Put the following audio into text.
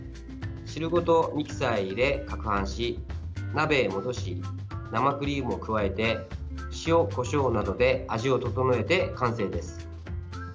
汁ごとミキサーへ入れかくはんし鍋へ戻し、生クリームを加えて塩、こしょうなどで味を調えて完成です。